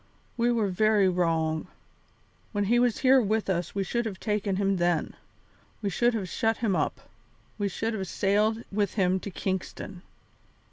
we were very wrong. When he was here with us we should have taken him then; we should have shut him up; we should have sailed with him to Kingston."